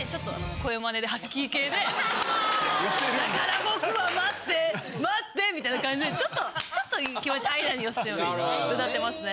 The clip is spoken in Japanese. モノマネだから僕は待って待ってみたいな感じでちょっとちょっと気持ちアイナに寄せて歌ってますね。